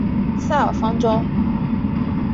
塞尔方丹。